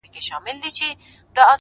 • وزیران مي له خبري نه تیریږي ,